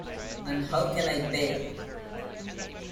And how can I pay?